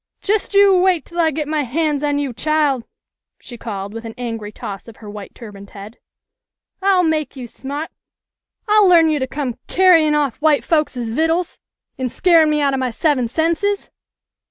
"Just you wait till I get my hands on you, chile," she called with an angry toss of her white turbaned head. " I'll make you sma't ! I'll learn you to come carry in' off white folkses vittles an' scarin' me out of my seven senses